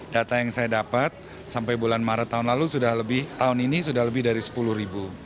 data yang saya dapat sampai bulan maret tahun lalu sudah lebih tahun ini sudah lebih dari sepuluh ribu